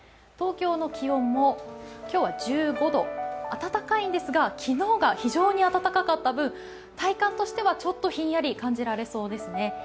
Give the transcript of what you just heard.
東京の気温も今日は１５度、暖かいんですが昨日が非常に暖かかった分、体感としてはちょっとひんやり感じられそうですね。